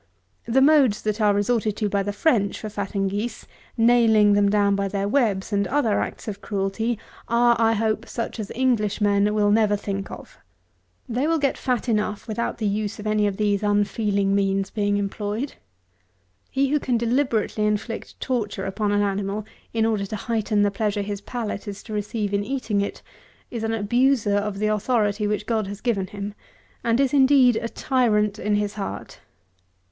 The modes that are resorted to by the French for fatting geese, nailing them down by their webs, and other acts of cruelty, are, I hope, such as Englishmen will never think of. They will get fat enough without the use of any of these unfeeling means being employed. He who can deliberately inflict torture upon an animal, in order to heighten the pleasure his palate is to receive in eating it, is an abuser of the authority which God has given him, and is, indeed, a tyrant in his heart.